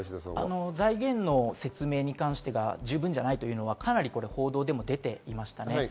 財源の説明に関して十分じゃないというのは、かなり報道でも出ていました。